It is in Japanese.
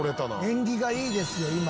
「縁起がいいですよ今」